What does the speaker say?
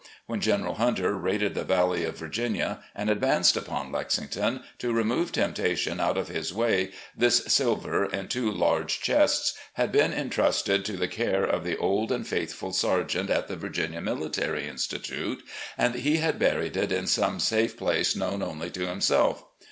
When General Hunter raided the Valley of Virginia and advanced upon Lexington, to remove temptation out of his way, this silver, in two large chests, had been intrusted to the care of the old and faithful sergeant at the Virginia Military Institute, and he had buried it in some safe place known only to himself.